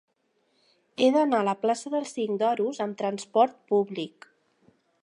He d'anar a la plaça del Cinc d'Oros amb trasport públic.